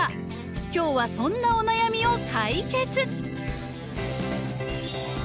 今日はそんなお悩みを解決！